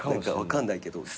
分かんないけど。